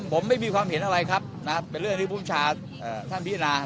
ผมไม่มีความเห็นอะไรครับเป็นเรื่องของชาวพิมพ์พี่อนา